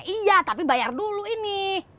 iya tapi bayar dulu ini